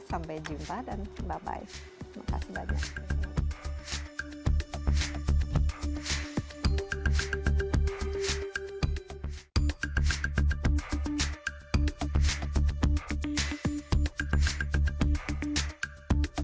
sampai jumpa dan bye bye